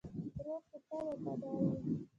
ورور ته تل وفادار یې.